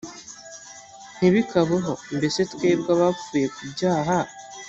ntibikabeho mbese twebwe abapfuye ku byaha